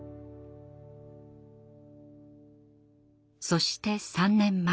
そして３年前。